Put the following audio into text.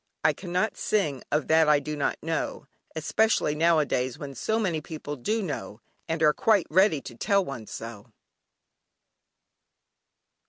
"I cannot sing of that I do not know," especially nowadays when so many people do know, and are quite ready to tell one so.